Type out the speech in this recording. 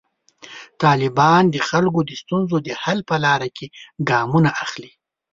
طالبان د خلکو د ستونزو د حل په لاره کې ګامونه اخلي.